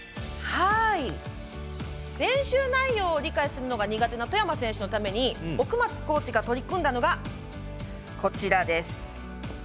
練習内容を理解するのが苦手な外山選手のために、奥松コーチが取り組んだのが、こちらです。